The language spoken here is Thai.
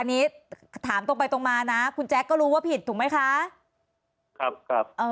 อันนี้ถามตรงไปตรงมานะคุณแจ๊คก็รู้ว่าผิดถูกไหมคะครับครับเอ่อ